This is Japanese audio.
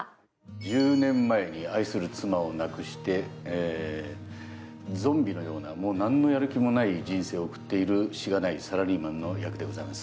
１０年前に愛する妻を亡くしてゾンビのような、もう何のやる気もない人生を送っているしがないサラリーマンです。